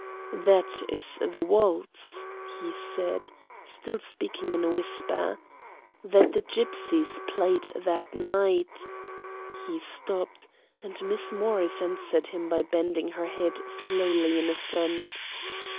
"That is the waltz," he said, still speaking in a whisper, "that the gypsies played that night " He stopped, and Miss Morris answered him by bending her head slowly in assent.